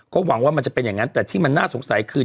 ก็หวังว่ามันจะเป็นอย่างนั้นแต่ที่มันน่าสงสัยคือ